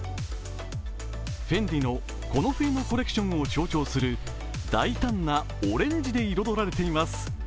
ＦＥＮＤＩのこの冬のコレクションを象徴する大胆なオレンジで彩られています。